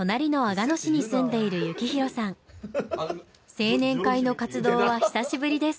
青年会の活動は久しぶりです。